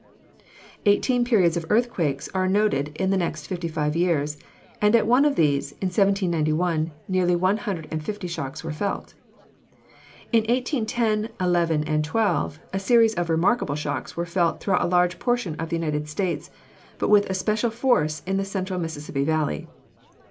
Eighteen periods of earthquakes are noted in the next fifty five years; and at one of these, in 1791, nearly one hundred and fifty shocks were felt. [Illustration: OLD STATE HOUSE, CHARLESTON.] In 1810 11 12, a series of remarkable shocks were felt throughout a large portion of the United States, but with especial force in the central Mississippi valley.